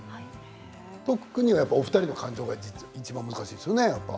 特にお二人の感情がいちばん難しいですよね。